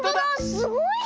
すごいね！